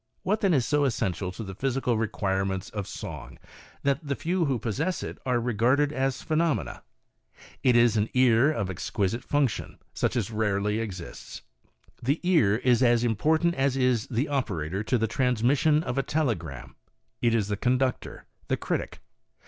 What, then, is so essential to the physical requirements of song that the few who possess it are regarded as phenom ena? It is an ear of exquisite function, such as rarely exists. The ear is as important as is the operator to the transmission of a telegram. It is the conductor — the critic.